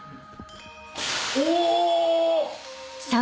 お！